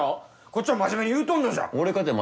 こっちは真面目に言うとんのじゃ。